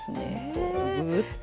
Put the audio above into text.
こうグーッと。